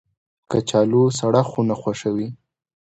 کچالو سړه خونه خوښوي